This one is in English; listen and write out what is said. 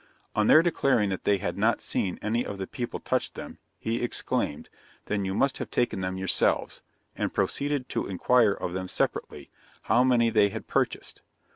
On their declaring that they had not seen any of the people touch them, he exclaimed, "Then you must have taken them yourselves"; and proceeded to inquire of them separately, how many they had purchased.